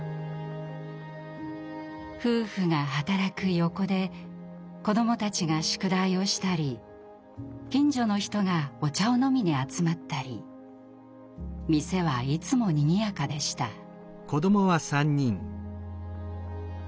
夫婦が働く横で子どもたちが宿題をしたり近所の人がお茶を飲みに集まったり店はいつもにぎやかでした。